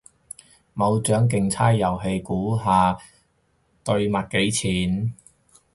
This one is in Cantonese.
冇獎競猜遊戲，估下對襪幾錢？